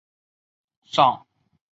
尚索尔地区圣博内人口变化图示